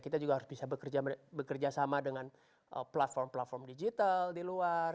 kita juga harus bisa bekerja sama dengan platform platform digital di luar